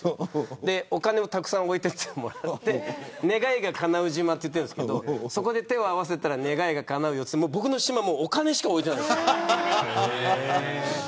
それでお金をたくさん置いてもらって願いがかなう島と言ってるんですけどそこで手を合わせたら願いがかなうと言って僕の島お金しか置いてないです。